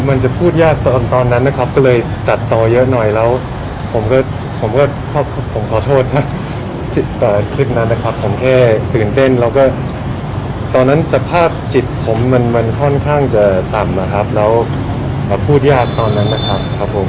มันจะพูดยากตอนตอนนั้นนะครับก็เลยตัดต่อเยอะหน่อยแล้วผมก็ผมก็ผมขอโทษนะคลิปนั้นนะครับผมแค่ตื่นเต้นแล้วก็ตอนนั้นสภาพจิตผมมันมันค่อนข้างจะต่ำนะครับแล้วพูดยากตอนนั้นนะครับครับผม